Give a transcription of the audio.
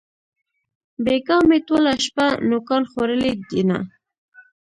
بېگاه مې ټوله شپه نوکان خوړلې دينه